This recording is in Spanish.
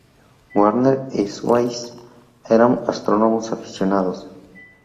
Warner y Swasey eran astrónomos aficionados.